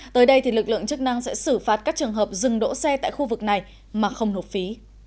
tới đây thì lực lượng chức năng sẽ xử phạt các trường hợp dừng đỗ xe tại khu vực này mà không nộp phí